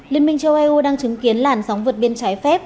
liên minh châu âu đang chứng kiến làn sóng vượt biên trái phép